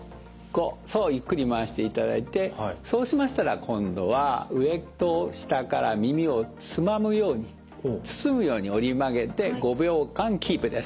そうゆっくり回していただいてそうしましたら今度は上と下から耳をつまむように包むように折り曲げて５秒間キープです。